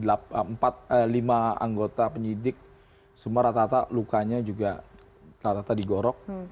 ada lima anggota penyidik semua rata rata lukanya juga rata rata digorok